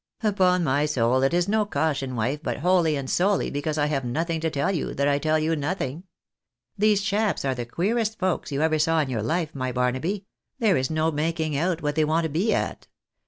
" Upon my soul it is no caution, wife, but wholly and solely because I have nothing to tell you, that I tell you nothing. These chaps are the queerest folks you ever saw in your life, my Barnaby, there is no making out what they want to be at.